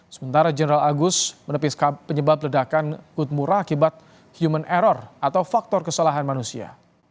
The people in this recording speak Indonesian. sementara general agus menepis penyebab ledakan kutmurah akibat human error atau faktor kesalahan manusia